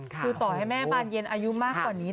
คือต่อให้แม่บานเย็นอายุมากกว่านี้